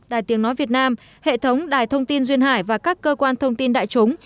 đài tiếng nói việt nam hệ thống đài thông tin duyên hải và các cơ quan thông tin đại chúng